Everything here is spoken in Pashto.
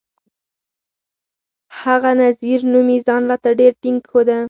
هغه نذير نومي ځان راته ډېر ټينګ ښوده.